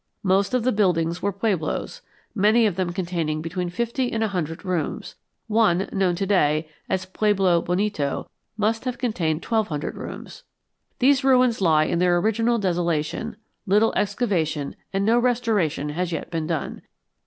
Most of the buildings were pueblos, many of them containing between fifty and a hundred rooms; one, known to day as Pueblo Bonito, must have contained twelve hundred rooms. These ruins lie in their original desolation; little excavation, and no restoration has yet been done.